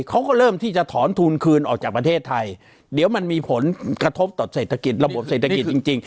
เขาก็เริ่มที่จะถอนทุนคืนออกจากประเทศไทยเดี๋ยวมันมีผลกระทบต่อเศรษฐกิจระบบเศรษฐกิจจริงจริง